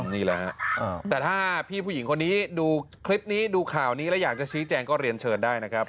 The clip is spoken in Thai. นี่แหละฮะแต่ถ้าพี่ผู้หญิงคนนี้ดูคลิปนี้ดูข่าวนี้แล้วอยากจะชี้แจงก็เรียนเชิญได้นะครับ